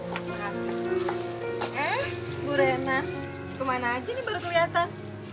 eh bu rena kemana aja ini baru keliatan